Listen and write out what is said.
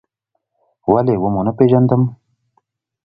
ولې و مو نه پېژندم؟